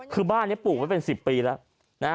คือบ้านนี้ปลูกไว้เป็น๑๐ปีแล้วนะฮะ